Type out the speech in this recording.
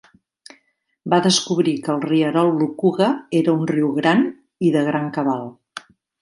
Va descobrir que el rierol Lukuga era un riu gran i de gran cabal.